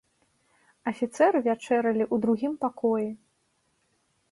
Афіцэры вячэралі ў другім пакоі.